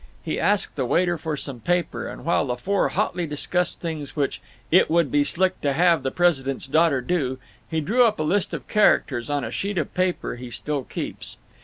He asked the waiter for some paper, and while the four hotly discussed things which "it would be slick to have the president's daughter do" he drew up a list of characters on a sheet of paper he still keeps.